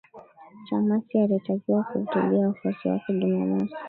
Chamisa alitakiwa kuhutubia wafuasi wake Jumamosi